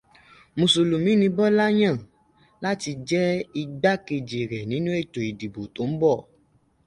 Mùsùlùmí ni Bọ́lá yàn láti jẹ́ Igbákejì rẹ̀ nínú ètò ìdìbò tó ń bọ̀.